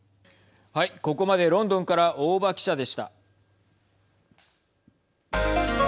ここまでロンドンから大庭記者でした。